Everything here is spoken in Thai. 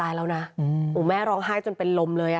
คือตอนที่แม่ไปโรงพักที่นั่งอยู่ที่สพ